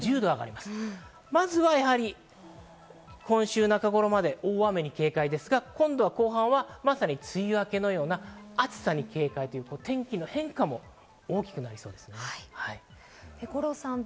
まずは今週中頃まで大雨に警戒ですが、後半はまさに梅雨明けのような暑さに警戒、天気の変化も多くみられそうです。